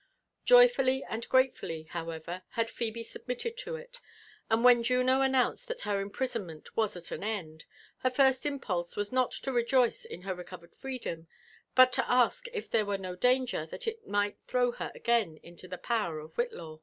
Joyfully and gratefully, however, had Phebe submitted to it ; and when Juno announced that her imprisonment was at an end, her first impulse was not to rejoice in her recovered freedom, but to ask if there were no danger that it might throw her again into the power of Whillaw.